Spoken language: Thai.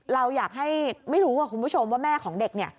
เราอยากให้ไม่รู้ว่าคุณผู้ชมว่าแม่ของเด็กเนี่ย